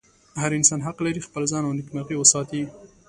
هر انسان حق لري خپل ځان او نېکمرغي وساتي.